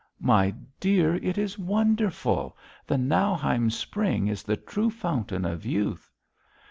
'My dear, it is wonderful! The Nauheim spring is the true fountain of youth.'